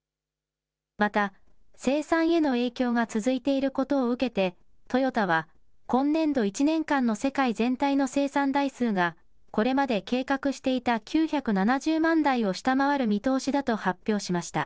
また生産への影響が続いていることを受けて、トヨタは、今年度１年間の世界全体の生産台数がこれまで計画していた９７０万台を下回る見通しだと発表しました。